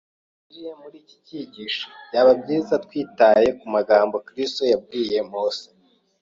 Mu gihe twinjiye muri iki cyigisho, byaba byiza twitaye ku magambo Kristo yabwiye Mose